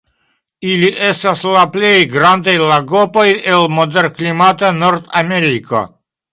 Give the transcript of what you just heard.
Ili estas la plej grandaj lagopoj el moderklimata Nordameriko.